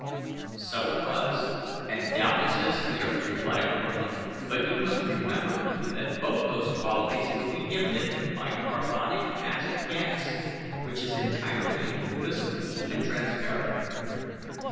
"So it was, and doubtless is here," replied Cortlandt; "but you must remember that both those qualities would be given it by carbonic acid gas, which is entirely invisible and transparent.